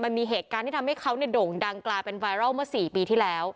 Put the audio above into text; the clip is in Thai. มันมีเหตุการณ์ที่ทำให้เขาโด่งดังกลายเป็นไวรัลเมื่อ๔ปีที่แล้ว